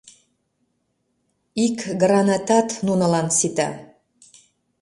Ик гранатат нунынлан сита...